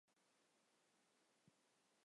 加告兹语维基是采用加告兹语拉丁字母版。